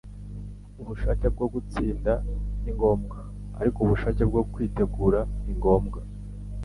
Ubushake bwo gutsinda ni ngombwa, ariko ubushake bwo kwitegura ni ngombwa.”